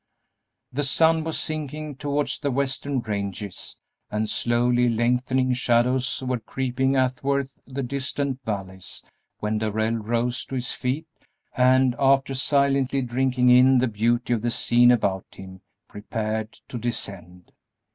The sun was sinking towards the western ranges and slowly lengthening shadows were creeping athwart the distant valleys when Darrell rose to his feet and, after silently drinking in the beauty of the scene about him, prepared to descend.